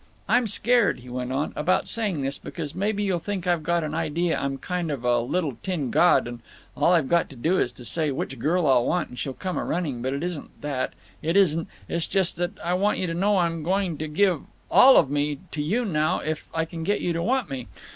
"I'm scared," he went on, "about saying this, because maybe you'll think I've got an idea I'm kind of a little tin god, and all I've got to do is to say which girl I'll want and she'll come a running, but it isn't that; it isn't. It's just that I want you to know I'm going to give all of me to you now if I can get you to want me.